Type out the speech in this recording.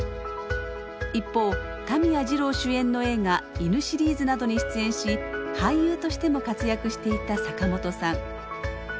一方田宮二郎主演の映画犬シリーズなどに出演し俳優としても活躍していた坂本さん。